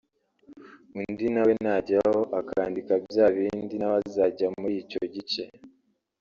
undi nawe najyaho akandika bya bindi nawe azajya muri icyo gice